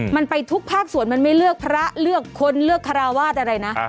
มันไปทุกภาคส่วนมันไม่เลือกพระเลือกคนเลือกคาราวาสอะไรนะ